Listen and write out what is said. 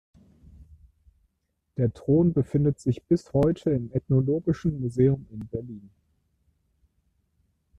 Der Thron befindet sich bis heute im Ethnologischen Museum in Berlin.